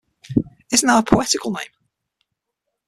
Isn’t that a poetical name?